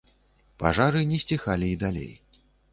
Пажары не сціхалі і далей.